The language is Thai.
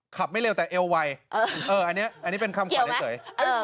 ขับไม่เร็วแต่เอวไวอันนี้เป็นคำขอให้เก๋ยว